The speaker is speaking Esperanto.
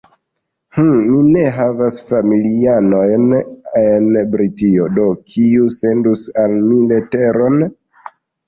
"Hm, mi ne havas familianojn en Britio, do kiu sendus al mi leteron?"